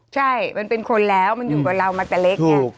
ใช่มันเป็นคนแล้วมันอยู่กับเรามาแต่เล็กไง